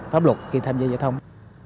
pháp luật khi tham gia giao thông